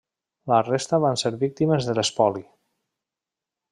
La resta van ser víctimes de l'espoli.